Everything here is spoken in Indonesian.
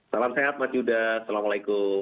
salam sehat mas yuda assalamualaikum